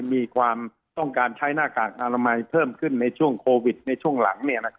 มีความต้องการใช้หน้ากากอนามัยเพิ่มขึ้นในช่วงโควิดในช่วงหลัง